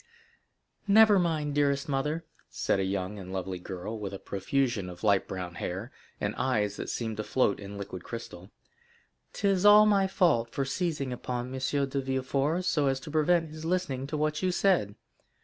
"Never mind, dearest mother," said a young and lovely girl, with a profusion of light brown hair, and eyes that seemed to float in liquid crystal, "'tis all my fault for seizing upon M. de Villefort, so as to prevent his listening to what you said.